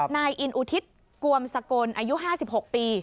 นายอินอุทิศกวมสกลอายุ๕๖ปี